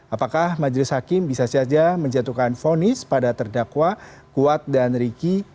apakah majelis hakim bisa saja menjatuhkan fonis pada terdakwa kuat dan riki